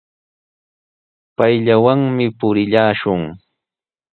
Payllawanmi purillashun.